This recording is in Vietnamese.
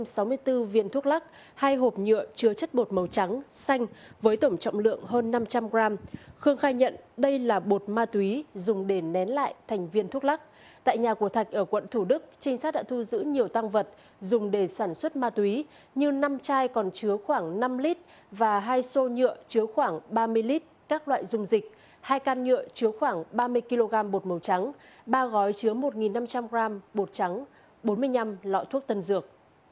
hai can nhựa chứa khoảng ba mươi kg bột màu trắng ba gói chứa một năm trăm linh g bột trắng bốn mươi năm lọ thuốc tân dược